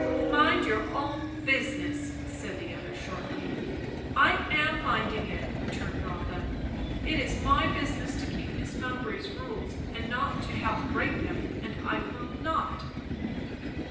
"Mind your own business," said the other shortly. "I am minding it," returned Rotha. "It is my business to keep Mrs. Mowbray's rules, and not to help break them; and I will not."